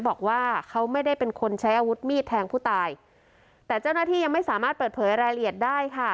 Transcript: บอกว่าเขาไม่ได้เป็นคนใช้อาวุธมีดแทงผู้ตายแต่เจ้าหน้าที่ยังไม่สามารถเปิดเผยรายละเอียดได้ค่ะ